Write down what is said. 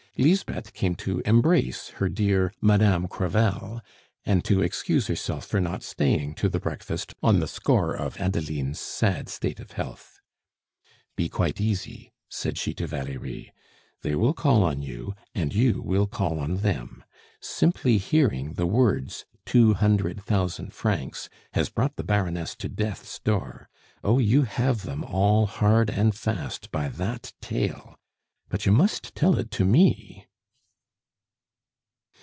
Lisbeth came to embrace her dear Madame Crevel, and to excuse herself for not staying to the breakfast on the score of Adeline's sad state of health. "Be quite easy," said she to Valerie, "they will call on you, and you will call on them. Simply hearing the words two hundred thousand francs has brought the Baroness to death's door. Oh, you have them all hard and fast by that tale! But you must tell it to me."